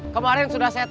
kemarin sudah berhenti